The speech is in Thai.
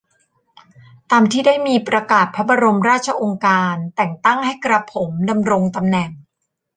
ตามที่ได้มีประกาศพระบรมราชโองการแต่งตั้งให้กระผมดำรงตำแหน่ง